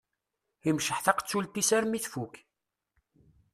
Imceḥ taqessult-is armi tfukk.